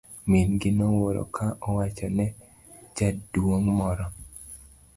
Min gi nowuoro ka owacho ne jaduong' moro.